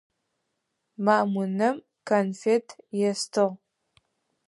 Мамунэм конфет естыгъ.